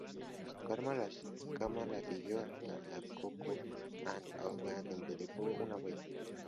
Kama la siguió hasta el Koko Head, Oahu, donde dejó una huella.